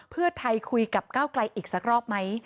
เพื่อไทยคุยกับก้าวไกลอีกสักรอบไหม